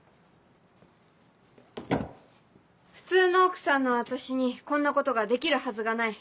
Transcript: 普通の奥さんの私にこんなことができるはずがない。